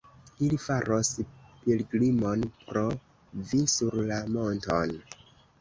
Ili faros pilgrimon pro vi sur la monton.